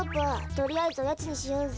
とりあえずおやつにしようぜ。